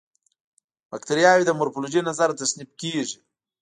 باکټریاوې د مورفولوژي له نظره تصنیف کیږي.